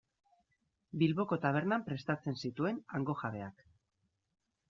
Bilboko tabernan prestatzen zituen hango jabeak.